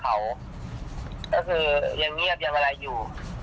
ก็คือยังเงียบยังอะไรอยู่